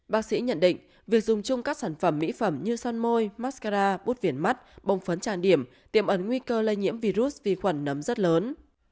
bác sĩ nhận định việc dùng chung các sản phẩm mỹ phẩm như son môi mascar bút viển mắt bông phấn tràn điểm tiềm ẩn nguy cơ lây nhiễm virus vi khuẩn nấm rất lớn